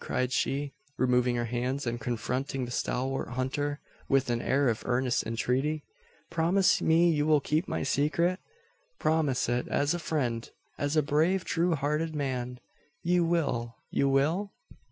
cried she, removing her hands, and confronting the stalwart hunter with an air of earnest entreaty, "promise me, you will keep my secret? Promise it, as a friend as a brave true hearted man! You will you will?"